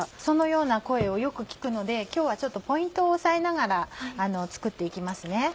そのような声をよく聞くので今日はポイントを押さえながら作って行きますね。